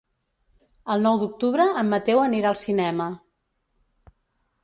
El nou d'octubre en Mateu anirà al cinema.